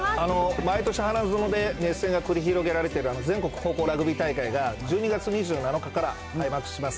毎年花園で熱戦が繰り広げられている全国高校ラグビー大会が、１２月２７日から開幕します。